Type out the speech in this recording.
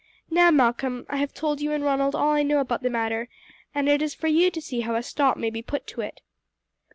Now, Malcolm, I have told you and Ronald all I know about the matter, and it is for you to see how a stop may be put to it."